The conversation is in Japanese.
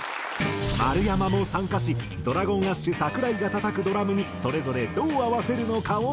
丸山も参加しＤｒａｇｏｎＡｓｈ櫻井が叩くドラムにそれぞれどう合わせるのかを実演。